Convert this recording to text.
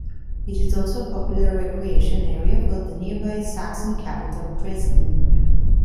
It is also a popular recreation area for the nearby Saxon capital Dresden.